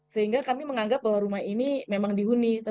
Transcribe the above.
sehingga kami menganggap bahwa rumah ini memang dihuni